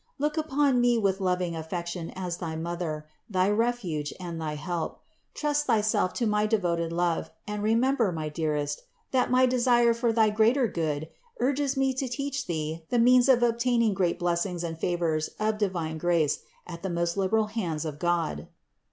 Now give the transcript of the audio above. Look upon me with loving affection as thy Mother, 220 CITY OF GOD thy refuge and thy help; trust thyself to my devoted love, and remember, my dearest, that my desire for thy greater good urges me to teach thee the means of ob taining great blessings and favors of divine grace at the most liberal hands of God.